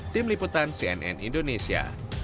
tim liputan cnn indonesia